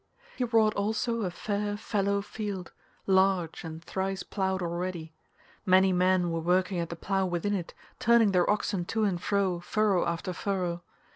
He wrought also a fair fallow field, large and thrice ploughed already. Many men were working at the plough within it, turning their oxen to and fro, furrow after furrow.